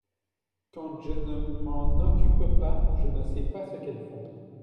quand je ne m'en occupe pas je ne sais pas ce qu'elles font.